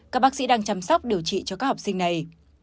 các bác sĩ đang chăm sóc điều trị cho các học sinh này